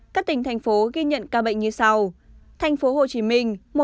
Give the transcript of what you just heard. các tỉnh thành phố ghi nhận ca bệnh như sau